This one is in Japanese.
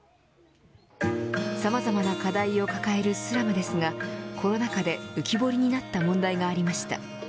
さまざまな課題を抱えるスラムですがコロナ禍で浮き彫りになった問題がありました。